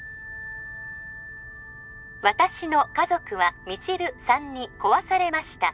私の家族は未知留さんに壊されました